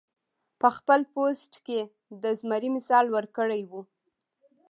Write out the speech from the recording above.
پۀ خپل پوسټ کښې د زمري مثال ورکړے وۀ -